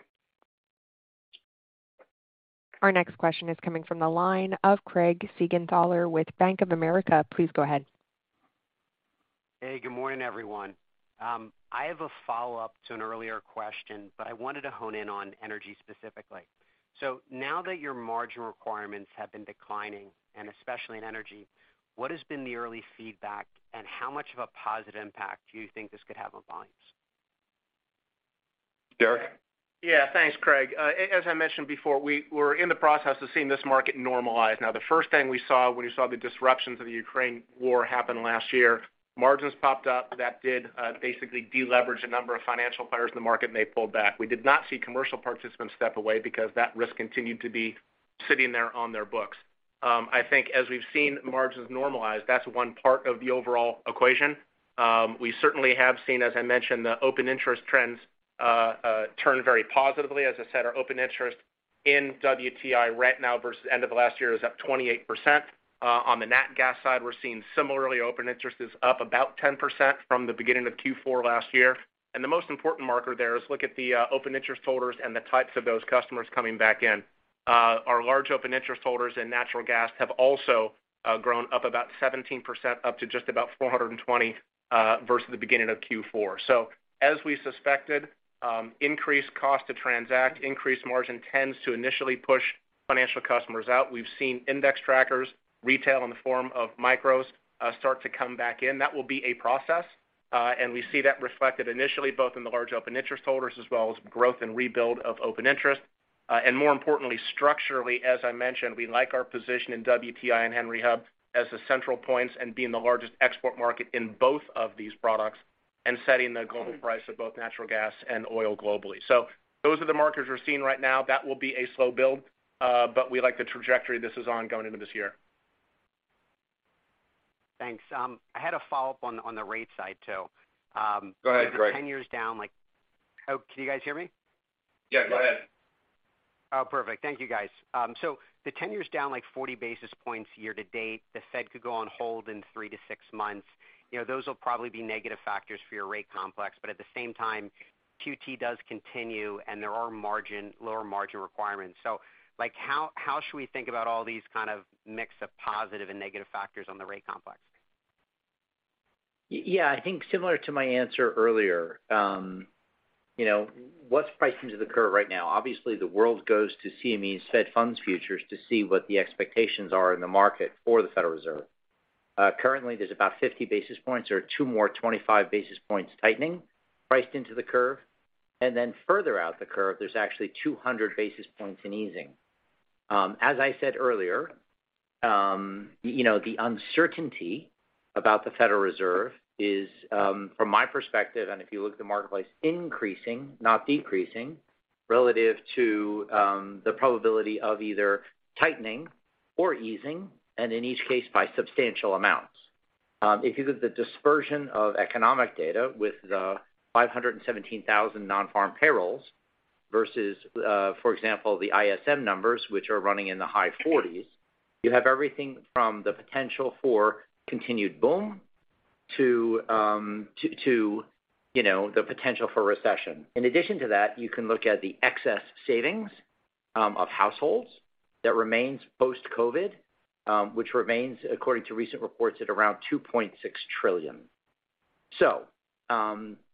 Our next question is coming from the line of Craig Siegenthaler with Bank of America. Please go ahead. Hey, good morning, everyone. I have a follow-up to an earlier question, but I wanted to hone in on energy specifically. Now that your margin requirements have been declining, and especially in energy, what has been the early feedback, and how much of a positive impact do you think this could have on volumes? Derek? Yeah. Thanks, Craig. As I mentioned before, we're in the process of seeing this market normalize. The first thing we saw when we saw the disruptions of the Ukraine war happen last year, margins popped up that did basically de-leverage a number of financial players in the market, and they pulled back. We did not see commercial participants step away because that risk continued to be sitting there on their books. I think as we've seen margins normalize, that's one part of the overall equation. We certainly have seen, as I mentioned, the open interest trends turn very positively. As I said, our open interest in WTI right now versus end of last year is up 28%. On the nat gas side, we're seeing similarly open interest is up about 10% from the beginning of Q4 last year. The most important marker there is look at the open interest holders and the types of those customers coming back in. Our large open interest holders in natural gas have also grown up about 17%, up to just about 420 versus the beginning of Q4. As we suspected, increased cost to transact, increased margin tends to initially push financial customers out. We've seen index trackers, retail in the form of micros, start to come back in. That will be a process, and we see that reflected initially both in the large open interest holders as well as growth and rebuild of open interest. More importantly, structurally, as I mentioned, we like our position in WTI and Henry Hub as the central points and being the largest export market in both of these products and setting the global price of both natural gas and oil globally. Those are the markers we're seeing right now. That will be a slow build, but we like the trajectory this is on going into this year. Thanks. I had a follow-up on the rate side too. Go ahead, Craig. The 10-year is down, like, Oh, can you guys hear me? Yeah, go ahead. Perfect. Thank you, guys. The 10-year is down like 40 basis points year to date. The Fed could go on hold in 3 to 6 months. You know, those will probably be negative factors for your rate complex. At the same time, QT does continue and there are margin, lower margin requirements. Like, how should we think about all these kind of mix of positive and negative factors on the rate complex? Yeah. I think similar to my answer earlier, you know, what's priced into the curve right now? Obviously, the world goes to CME's Fed Funds futures to see what the expectations are in the market for the Federal Reserve. Currently, there's about 50 basis points or two more 25 basis points tightening priced into the curve. Further out the curve, there's actually 200 basis points in easing. As I said earlier, you know, the uncertainty about the Federal Reserve is, from my perspective, and if you look at the marketplace, increasing, not decreasing, relative to the probability of either tightening or easing, and in each case, by substantial amounts. If you look at the dispersion of economic data with the 517,000 nonfarm payrolls versus, for example, the ISM numbers, which are running in the high 40s, you have everything from the potential for continued boom to, you know, the potential for recession. In addition to that, you can look at the excess savings of households that remains post-COVID, which remains, according to recent reports, at around $2.6 trillion.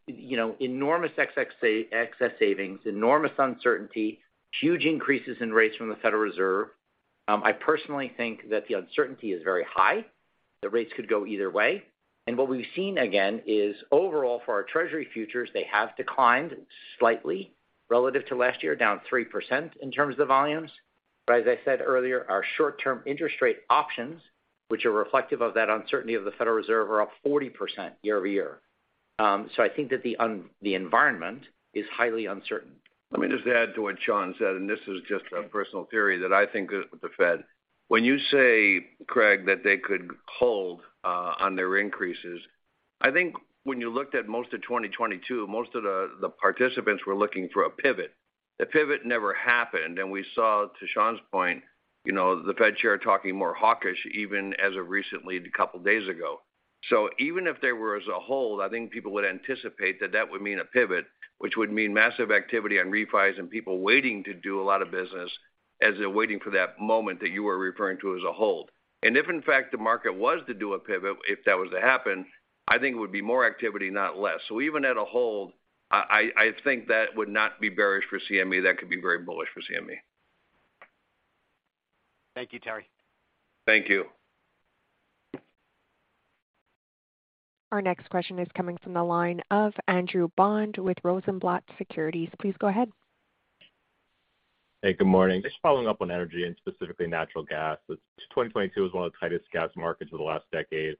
You know, enormous excess savings, enormous uncertainty, huge increases in rates from the Federal Reserve. I personally think that the uncertainty is very high. The rates could go either way. What we've seen, again, is overall for our Treasury futures, they have declined slightly relative to last year, down 3% in terms of the volumes. As I said earlier, our short-term interest rate options, which are reflective of that uncertainty of the Federal Reserve, are up 40% year-over-year. I think that the environment is highly uncertain. Let me just add to what Sean said, and this is just a personal theory that I think is with the Fed. When you say, Craig, that they could hold on their increases, I think when you looked at most of 2022, most of the participants were looking for a pivot. The pivot never happened, and we saw, to Sean's point, you know, the Fed chair talking more hawkish, even as of recently, a couple of days ago. Even if there was a hold, I think people would anticipate that that would mean a pivot, which would mean massive activity on refis and people waiting to do a lot of business as they're waiting for that moment that you were referring to as a hold. If in fact the market was to do a pivot, if that was to happen, I think it would be more activity, not less. Even at a hold, I think that would not be bearish for CME. That could be very bullish for CME. Thank you, Terry. Thank you. Our next question is coming from the line of Andrew Bond with Rosenblatt Securities. Please go ahead. Hey, good morning. Just following up on energy and specifically natural gas. 2022 was one of the tightest gas markets for the last decade.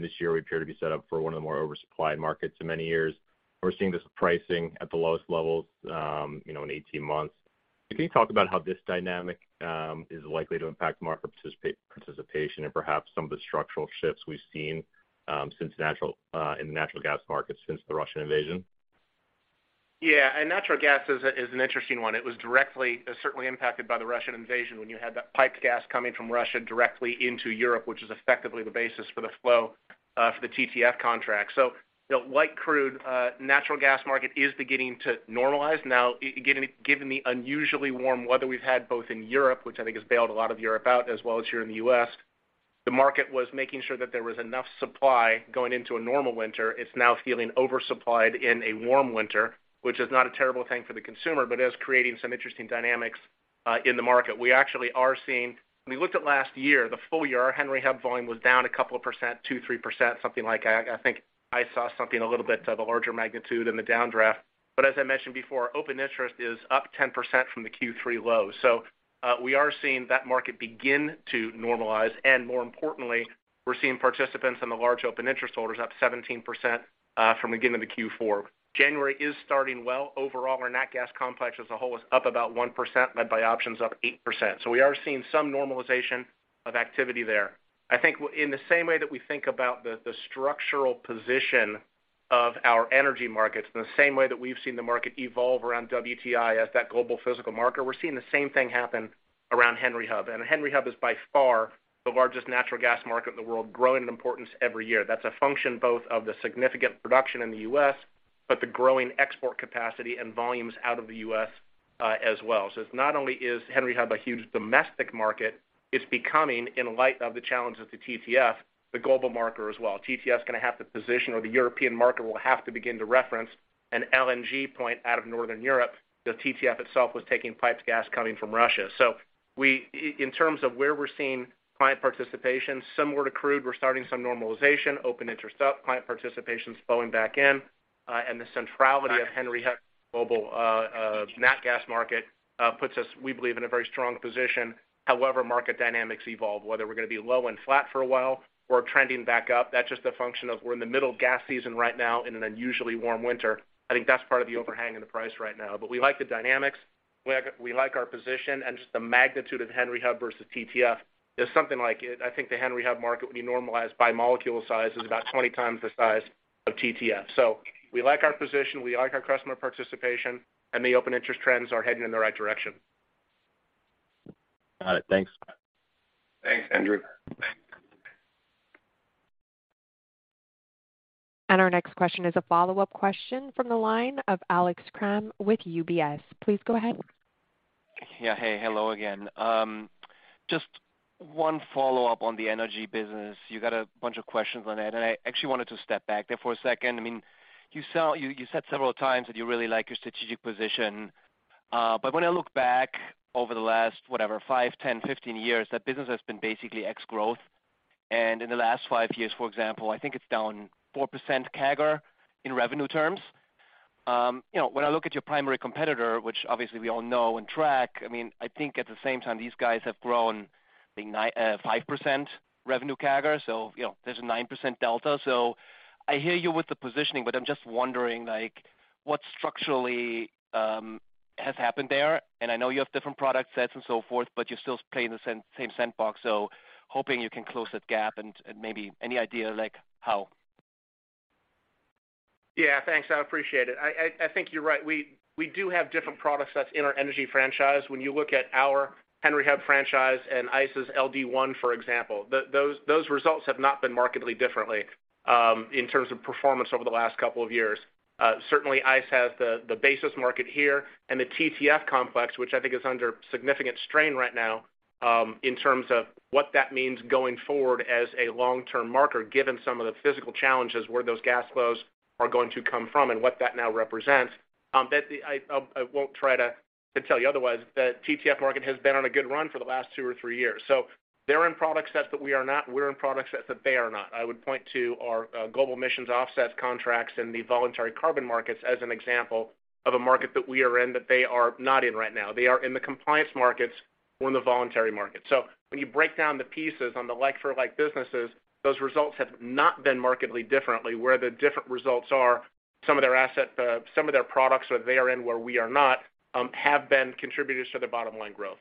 This year we appear to be set up for one of the more oversupplied markets in many years. We're seeing this pricing at the lowest levels, you know, in 18 months. Can you talk about how this dynamic is likely to impact market participation and perhaps some of the structural shifts we've seen in the natural gas market since the Russian invasion? Yeah. Natural gas is an interesting one. It was directly certainly impacted by the Russian invasion when you had that piped gas coming from Russia directly into Europe, which is effectively the basis for the TTF contract. you know, light crude, natural gas market is beginning to normalize now, given the unusually warm weather we've had both in Europe, which I think has bailed a lot of Europe out, as well as here in the U.S. The market was making sure that there was enough supply going into a normal winter. It's now feeling oversupplied in a warm winter, which is not a terrible thing for the consumer, but it is creating some interesting dynamics in the market. We actually when we looked at last year, the full year, our Henry Hub volume was down a couple of percent, 2%, 3%, something like that. I think I saw something a little bit of a larger magnitude in the downdraft. As I mentioned before, open interest is up 10% from the Q3 low. We are seeing that market begin to normalize. More importantly, we're seeing participants in the large open interest orders up 17% from the beginning of the Q4. January is starting well. Overall, our nat gas complex as a whole is up about 1%, led by options up 8%. We are seeing some normalization of activity there. I think in the same way that we think about the structural position of our energy markets, in the same way that we've seen the market evolve around WTI as that global physical marker, we're seeing the same thing happen around Henry Hub. Henry Hub is by far the largest natural gas market in the world, growing in importance every year. That's a function both of the significant production in the U.S., but the growing export capacity and volumes out of the U.S. as well. It's not only is Henry Hub a huge domestic market, it's becoming, in light of the challenge of the TTF, the global marker as well. TTF's gonna have to position, or the European market will have to begin to reference an LNG point out of Northern Europe, though TTF itself was taking piped gas coming from Russia. In terms of where we're seeing client participation, similar to crude, we're starting some normalization, open interest up, client participation's flowing back in, and the centrality of Henry Hub's global nat gas market puts us, we believe, in a very strong position however market dynamics evolve, whether we're gonna be low and flat for a while or trending back up. That's just a function of we're in the middle of gas season right now in an unusually warm winter. I think that's part of the overhang in the price right now. We like the dynamics. We like our position and just the magnitude of Henry Hub versus TTF is something like it. I think the Henry Hub market, when you normalize by molecule size, is about 20 times the size of TTF. We like our position, we like our customer participation, and the open interest trends are heading in the right direction. Got it. Thanks. Thanks, Andrew. Our next question is a follow-up question from the line of Alex Kramm with UBS. Please go ahead. Yeah. Hey, hello again. Just one follow-up on the energy business. You got a bunch of questions on it, I actually wanted to step back there for a second. I mean, you said several times that you really like your strategic position. But when I look back over the last, whatever, five, 10, 15 years, that business has been basically ex-growth. In the last five years, for example, I think it's down 4% CAGR in revenue terms. You know, when I look at your primary competitor, which obviously we all know and track, I mean, I think at the same time, these guys have grown, I think 9, 5% revenue CAGR, so, you know, there's a 9% delta. I hear you with the positioning, but I'm just wondering, like, what structurally has happened there? I know you have different product sets and so forth, but you still play in the same sandbox, so hoping you can close that gap and maybe any idea, like, Thanks. I appreciate it. I think you're right. We do have different products that's in our energy franchise. When you look at our Henry Hub franchise and uncertain They're in product sets that we are not, and we're in product sets that they are not. I would point to our global emissions offset contracts in the voluntary carbon markets as an example of a market that we are in that they are not in right now. They are in the compliance markets, we're in the voluntary markets. When you break down the pieces on the like-for-like businesses, those results have not been markedly differently. Where the different results are, some of their asset, some of their products that they are in where we are not, have been contributors to their bottom line growth.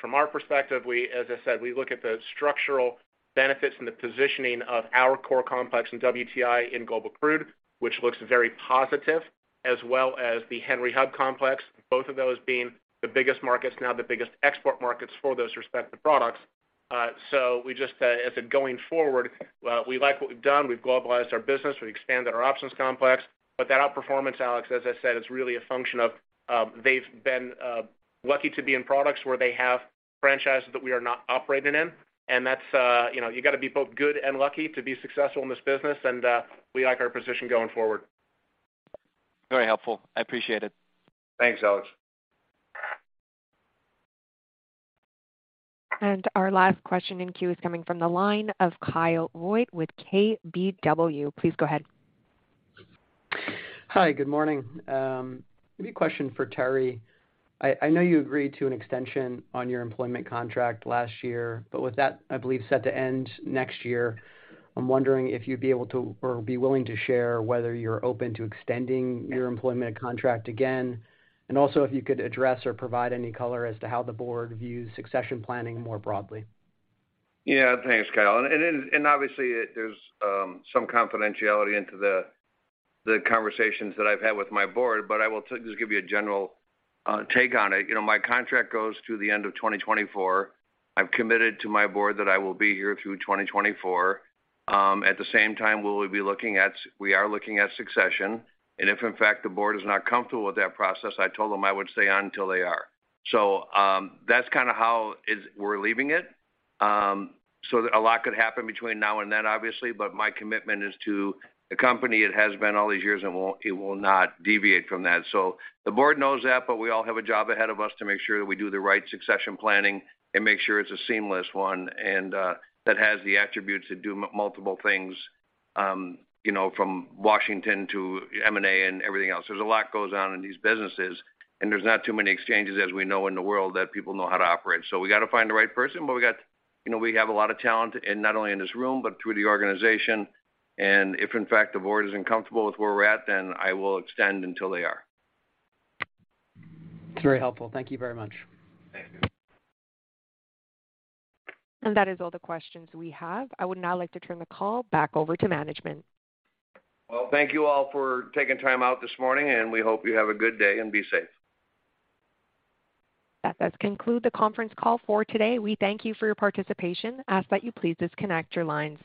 From our perspective, we, as I said, we look at the structural benefits and the positioning of our core complex in WTI in global crude, which looks very positive, as well as the Henry Hub complex, both of those being the biggest markets now, the biggest export markets for those respective products. We just, as in going forward, we like what we've done. We've globalized our business. We expanded our options complex. That outperformance, Alex, as I said, is really a function of, they've been lucky to be in products where they have franchises that we are not operating in, and that's, you know, you gotta be both good and lucky to be successful in this business and we like our position going forward. Very helpful. I appreciate it. Thanks, Alex. Our last question in queue is coming from the line of Kyle Voigt with KBW. Please go ahead. Hi, good morning. Maybe a question for Terry. I know you agreed to an extension on your employment contract last year. With that, I believe, set to end next year, I'm wondering if you'd be able to or be willing to share whether you're open to extending your employment contract again. Also if you could address or provide any color as to how the board views succession planning more broadly. Yeah. Thanks, Kyle. obviously, there's some confidentiality into the conversations that I've had with my board, but I will just give you a general take on it. You know, my contract goes to the end of 2024. I've committed to my board that I will be here through 2024. At the same time, we are looking at succession. If in fact the board is not comfortable with that process, I told them I would stay on till they are. that's kinda how we're leaving it. A lot could happen between now and then, obviously, but my commitment is to the company. It has been all these years, it will not deviate from that. The board knows that, but we all have a job ahead of us to make sure that we do the right succession planning and make sure it's a seamless one and that has the attributes that do multiple things, you know, from Washington to M&A and everything else. There's a lot goes on in these businesses, and there's not too many exchanges as we know in the world that people know how to operate. We gotta find the right person, but we got, you know, we have a lot of talent in not only in this room, but through the organization. If in fact the board isn't comfortable with where we're at, then I will extend until they are. It's very helpful. Thank you very much. Thank you. That is all the questions we have. I would now like to turn the call back over to management. Thank you all for taking time out this morning, and we hope you have a good day and be safe. That does conclude the conference call for today. We thank you for your participation. Ask that you please disconnect your lines.